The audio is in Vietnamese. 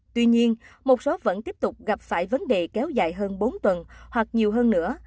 tuy nhiên một số vẫn tiếp tục gặp phải vấn đề kéo dài hơn bốn tuần hoặc nhiều hơn nữa